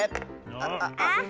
あっあっ。